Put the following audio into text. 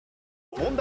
問題。